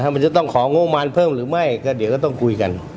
มันจะต้องของงบมารเพิ่มหรือไม่ก็เดี๋ยวก็ต้องคุยกัน